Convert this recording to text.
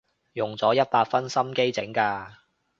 用咗一百分心機整㗎